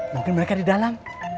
mungkin mereka di dalam